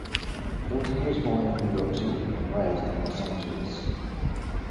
Hilton was born in New York City and raised in Los Angeles.